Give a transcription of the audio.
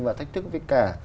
và thách thức với cả